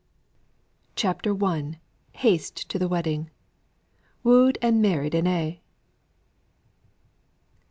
CHAPTER I. "HASTE TO THE WEDDING." "Wooed and married and a'."